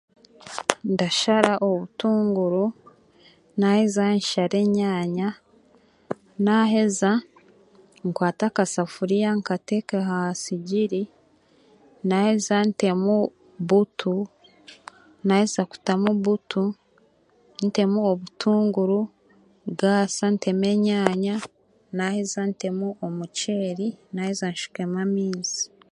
Ndashara obutunguru naaheeza nshare enyaanya naaheeza nkwate akasoforiya nkate aha sigiri naaheeza ntemu butu, naaheza kutamu butu, ntemu obutunguru gaasa naaheza ntemu omu kyeri naaheza nshukemu amaizi